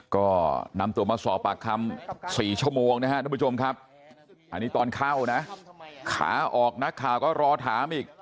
ก็นำตัวมาสอบปากคำ๔ชั่วโมงนะครับทุกผู้ชมครับอันนี้ตอนเข้านะขาออกนักข่าวก็รอถามอีก